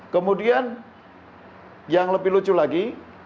kemudian yang lebih lucu lagi